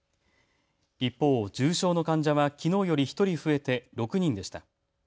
一方、重症の患者はきのうより１人増えて６人でした。